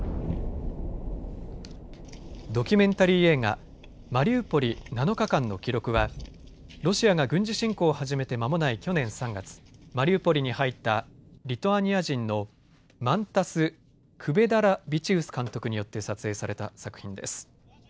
ドキュメンタリー映画マリウポリ７日間の記録はロシアが軍事侵攻を始めて間もない去年３月マリウポリに入ったリトアニア人のマンタス・クベダラビチウス監督によって撮影された作品です。